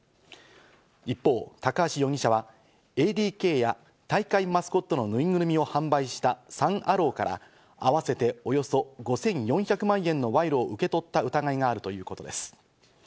一方、高橋容疑者はＡＤＫや大会マスコットのぬいぐるみを販売したサン・アローから、あわせておよそ５４００万円の賄賂を受け取った疑いがあるということです。